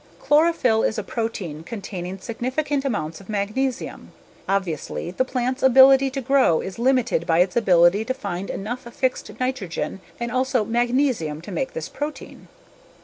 Chlorophyll is a protein containing significant amounts of magnesium. Obviously, the plant's ability to grow is limited by its ability to find enough fixed nitrogen and also magnesium to make this protein.